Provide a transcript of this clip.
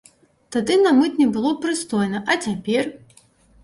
Тады на мытні было прыстойна, а цяпер?